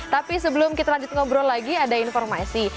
tapi sebelum kita lanjut ngobrol lagi ada informasi